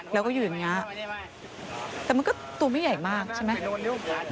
แล้วก็อยู่อย่างนี้แต่มันก็ตัวไม่ใหญ่มากใช่ไหม